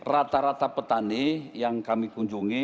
rata rata petani yang kami kunjungi